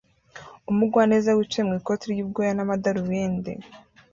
Umugwaneza wicaye mu ikoti ry'ubwoya n'amadarubindi